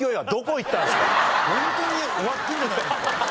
ホントに終わってるじゃないですか。